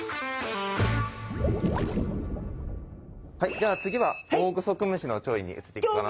では次はオオグソクムシの調理に移っていこうかなと。